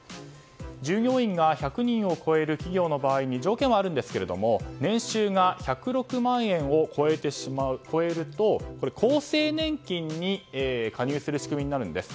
従業員が１００人を超える企業の場合に条件はあるんですけど年収が１０６万円を超えると厚生年金に加入する仕組みになるんです。